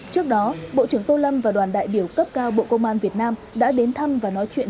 trước đó bộ trưởng tô lâm và đoàn đại biểu cấp cao bộ công an việt nam đã đến thăm và nói chuyện